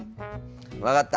分かった！